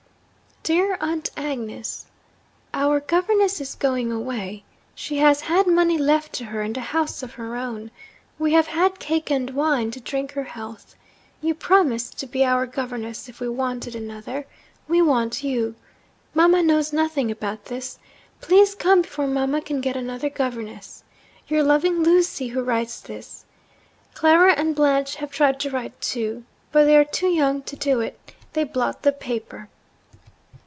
'Dear Aunt Agnes, Our governess is going away. She has had money left to her, and a house of her own. We have had cake and wine to drink her health. You promised to be our governess if we wanted another. We want you. Mamma knows nothing about this. Please come before Mamma can get another governess. Your loving Lucy, who writes this. Clara and Blanche have tried to write too. But they are too young to do it. They blot the paper.'